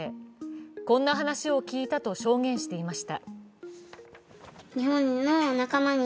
こんな話を聞いたと証言していました。